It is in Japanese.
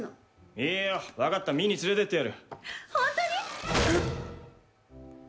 いいよ、分かった、見に連れてってやる。